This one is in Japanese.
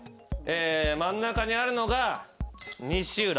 真ん中にあるのが西浦。